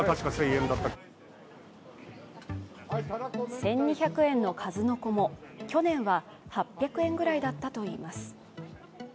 １２００円の数の子も去年は８００円ぐらいだったといいます。